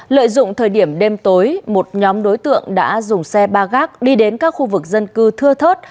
lợi dụng thời điểm đêm tối một nhóm đối tượng đã dùng xe ba gác đi đến các khu vực dân cư thưa thớt